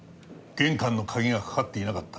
玄関の鍵がかかっていなかった。